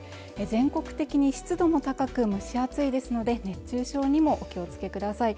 全国的に湿度も高く蒸し暑いですので熱中症にもお気をつけください